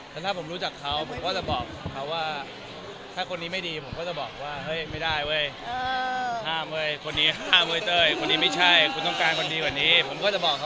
นะตาผมรู้จักเขาผมก็จะบอกเขาว่าค่ะคนนี้ไม่ดีผมก็จะบอกว่าเฮ้ยไม่ได้ว่ะ